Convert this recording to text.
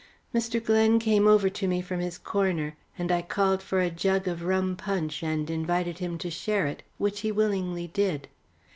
Mr. Glen came over to me from his corner, and I called for a jug of rum punch, and invited him to share it, which he willingly did.